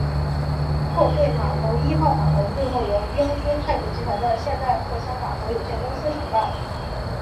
货柜码头一号码头最后由英资太古集团的现代货箱码头有限公司承办。